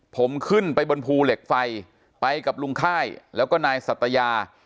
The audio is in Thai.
ผมขึ้นไปบนภูเหล็กไฟไปกับลุงค่ายแล้วก็นายสัตยา